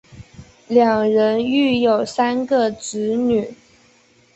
两人育有三个子女。